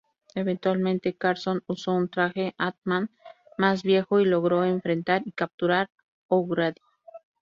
Eventualmente, Carson usó un traje Ant-Man más viejo y logró enfrentar y capturar O'Grady.